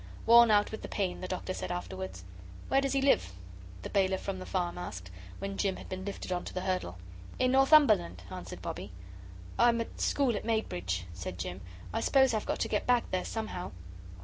Worn out with the pain, the Doctor said afterwards. "Where does he live?" the bailiff from the farm asked, when Jim had been lifted on to the hurdle. "In Northumberland," answered Bobbie. "I'm at school at Maidbridge," said Jim. "I suppose I've got to get back there, somehow."